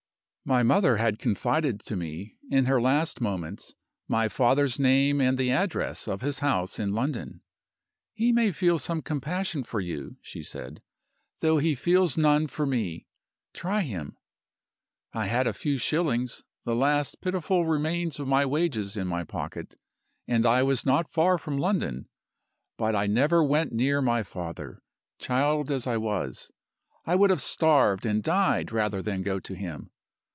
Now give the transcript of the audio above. "My mother had confided to me, in her last moments, my father's name and the address of his house in London. 'He may feel some compassion for you' (she said), 'though he feels none for me: try him.' I had a few shillings, the last pitiful remains of my wages, in my pocket; and I was not far from London. But I never went near my father: child as I was, I would have starved and died rather than go to him.